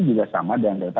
juga sama dengan delta